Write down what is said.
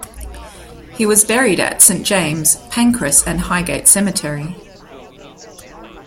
He was buried at Saint James, Pancras and Highgate Cemetery.